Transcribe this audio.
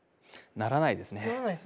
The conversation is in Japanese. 鳴らないですね。